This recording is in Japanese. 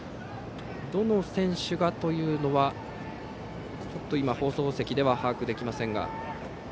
どの選手がというのはちょっと今放送席では把握できませんが。